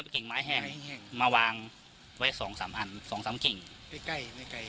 เอาแต่งไม้แห้งมาวางไว้สองสามพันสองสามกิ่งกล้ายสักเก้าคัน